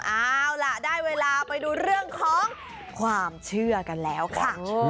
เอาล่ะได้เวลาไปดูเรื่องของความเชื่อกันแล้วค่ะ